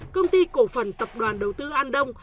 công ty cổ phần tập đoàn đầu tư an đông